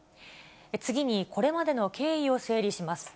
次に、これまでの経緯を整理します。